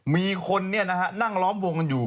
มีคนเนี่ยนะฮะนั่งล้อมวงกันอยู่